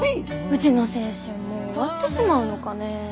うちの青春もう終わってしまうのかね。